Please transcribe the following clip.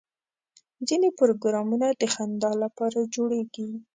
ځینې پروګرامونه د خندا لپاره جوړېږي.